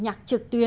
nhạc trực tuyến